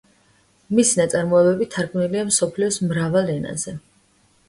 მისი ნაწარმოებები თარგმნილია მსოფლიოს მრავალ ენაზე.